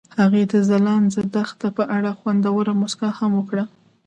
هغې د ځلانده دښته په اړه خوږه موسکا هم وکړه.